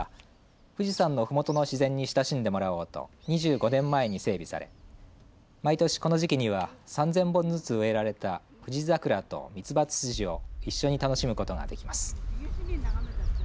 富士山のふもとの自然に親しんでもらおうと２５年前に整備され毎年、この時期には３０００本ずつ植えられたフジザクラとミツバツツジを一緒に楽しむことができます。